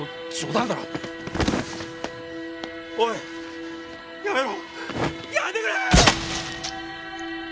やめてくれーっ！